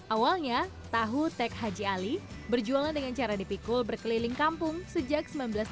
awalnya tahu tek haji ali berjualan dengan cara dipikul berkeliling kampung sejak seribu sembilan ratus delapan puluh